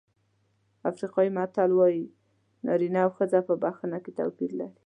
افریقایي متل وایي نارینه او ښځه په بښنه کې توپیر لري.